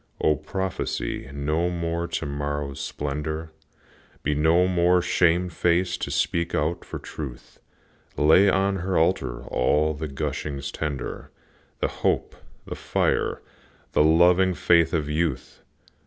O, prophesy no more to morrow's splendor, Be no more shame faced to speak out for Truth, Lay on her altar all the gushings tender, The hope, the fire, the loving faith of youth!